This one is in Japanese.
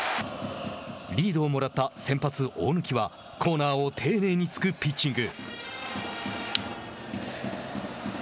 リードをもらった先発、大貫はコーナーを丁寧に突くピッチング。